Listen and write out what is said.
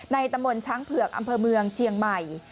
ตำบลช้างเผือกอำเภอเมืองเชียงใหม่